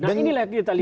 nah inilah kita lihat